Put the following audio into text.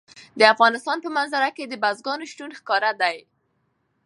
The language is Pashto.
د افغانستان په منظره کې د بزګانو شتون ښکاره دی.